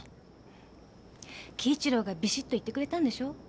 輝一郎がビシッと言ってくれたんでしょ？